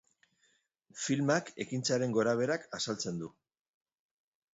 Filmak ekintzaren gorabeherak azaltzen du.